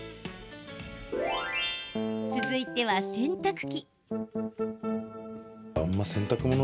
続いては洗濯機。